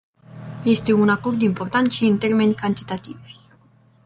Este un acord important și în termeni cantitativi.